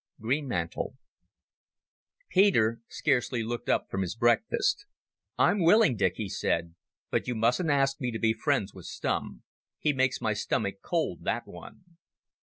Greenmantle Peter scarcely looked up from his breakfast. "I'm willing, Dick," he said. "But you mustn't ask me to be friends with Stumm. He makes my stomach cold, that one."